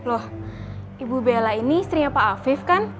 loh ibu bella ini istrinya pak afif kan